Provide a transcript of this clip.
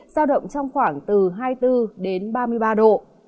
giao động trong khoảng từ hai mươi bốn đến ba mươi ba độ